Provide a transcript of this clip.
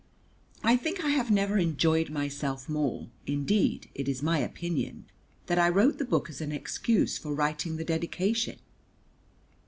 I think I have never enjoyed myself more; indeed, it is my opinion that I wrote the book as an excuse for writing the dedication.